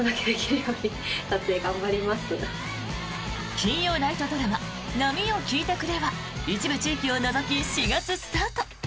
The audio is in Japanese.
金曜ナイトドラマ「波よ聞いてくれ」は一部地域を除き、４月スタート。